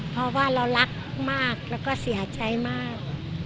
เพราะว่าเรารักมากแล้วก็เสียใจมาก